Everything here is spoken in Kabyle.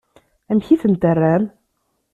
Amek i ten-terram?